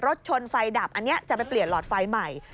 รถชนไฟดับอันนี้จะไปเปลี่ยนหลอดไฟใหม่